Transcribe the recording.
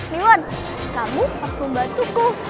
miwon kamu harus membantuku